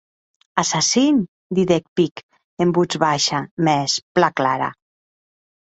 Assassin, didec de pic, en votz baisha mès plan clara.